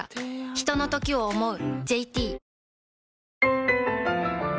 ひとのときを、想う。